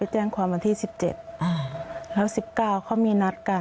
เห็นข่าวคนนี้